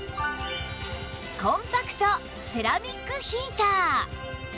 コンパクトセラミックヒーター